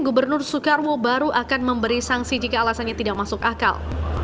gubernur soekarwo baru akan memberi sanksi jika alasannya tidak masuk akal